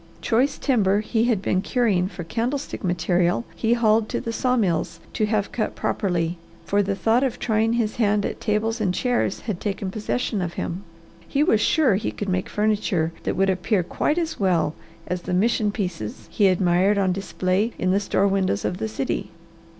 Choice timber he had been curing for candlestick material he hauled to the saw mills to have cut properly, for the thought of trying his hand at tables and chairs had taken possession of him. He was sure he could make furniture that would appear quite as well as the mission pieces he admired on display in the store windows of the city.